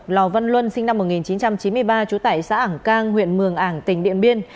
lò văn luân sinh năm một nghìn chín trăm chín mươi ba trú tại xã ảng cang huyện mường ảng tỉnh điện biên